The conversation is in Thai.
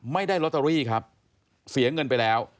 ไม่ได้ลอตเตอรี่ครับเสียเงินไปแล้ว